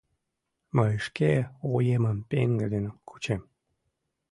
Мый шке оемым пеҥгыдын кучем...